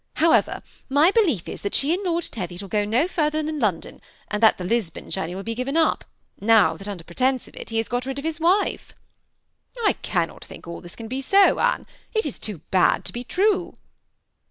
However, my belief is that she and Lord Teviot will go no farther than London, and the Lisbon journey wiU be given up, now that, under pretence of it, he has got rid of his wife." ^ I cannot think all this can be so, Anne ; it is too bad to be true.